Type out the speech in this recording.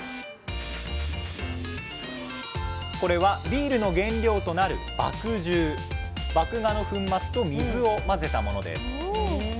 これはビールの原料となる麦芽の粉末と水を混ぜたものです。